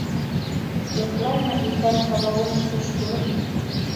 Йоҡлаймы, икән һылыуым төш күреп.